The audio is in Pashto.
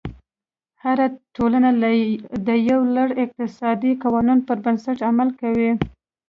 هره ټولنه د یو لړ اقتصادي قوانینو پر بنسټ عمل کوي.